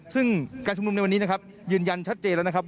ซึ่งการชุมนุมในวันนี้นะครับยืนยันชัดเจนแล้วนะครับ